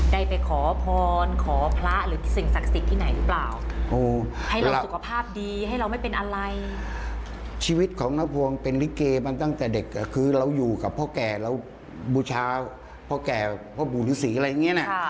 ได้ไปขอพรขอพระหรือสิ่งศักดิ์สิทธิ์ที่ไหนหรือเปล่าให้เราสุขภาพดีให้เราไม่เป็นอะไรชีวิตของน้าพวงเป็นลิเกมาตั้งแต่เด็กคือเราอยู่กับพ่อแก่เราบูชาพ่อแก่พ่อปู่ฤษีอะไรอย่างเงี้นะ